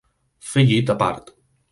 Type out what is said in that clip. Fer llit a part.